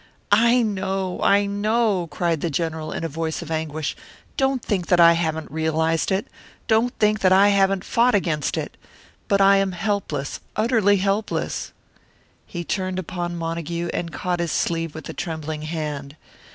"I know, I know!" cried the General, in a voice of anguish. "Don't think that I haven't realised it don't think that I haven't fought against it! But I am helpless, utterly helpless." He turned upon Montague, and caught his sleeve with a trembling hand.